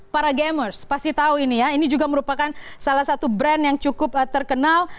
para gamers pasti tahu ini ya ini juga merupakan salah satu brand yang cukup terkenal